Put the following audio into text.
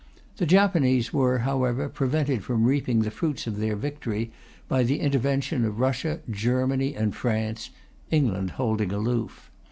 The Japanese were, however, prevented from reaping the fruits of their victory by the intervention of Russia, Germany and France, England holding aloof.